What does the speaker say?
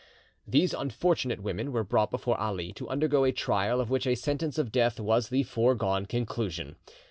These unfortunate women were brought before Ali to undergo a trial of which a sentence of death was the foregone conclusion.